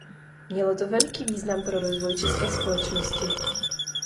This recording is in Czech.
Mělo to veliký význam pro rozvoj české společnosti.